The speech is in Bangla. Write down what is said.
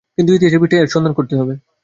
কিন্তু ইতিহাসের পৃষ্ঠায় এর সন্ধান করতে হবে।